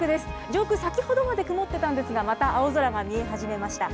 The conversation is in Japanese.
上空、先ほどまで曇ってたんですが、また青空が見え始めました。